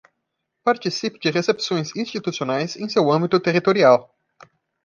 Participe de recepções institucionais em seu âmbito territorial.